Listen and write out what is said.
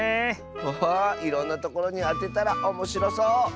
ハハーいろんなところにあてたらおもしろそう！